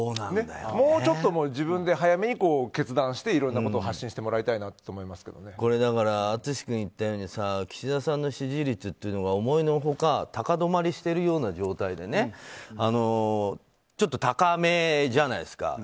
もうちょっと自分で早めに決断していろいろなことを発信してもらいたいなとこれ、淳君が言ったように岸田さんの支持率が思いの外高止まりしているような状態でちょっと高めじゃないですか。